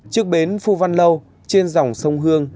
trước bến phu văn lâu trên dòng sông hương